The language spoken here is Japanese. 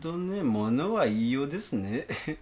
ものは言いようですね。